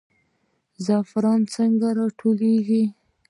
زعفران څنګه ټولول کیږي؟